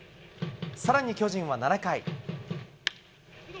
さらに巨人は７回。